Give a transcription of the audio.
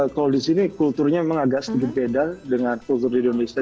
kalau di sini kulturnya memang agak sedikit beda dengan kultur di indonesia